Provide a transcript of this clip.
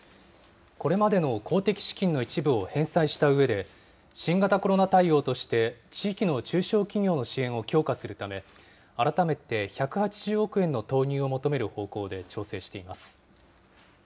これまでの公的資金の一部を返済したうえで、新型コロナ対応として、地域の中小企業の支援を強化するため、改めて１８０億円の投入を求める方向で調整しています。